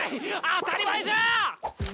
当たり前じゃー！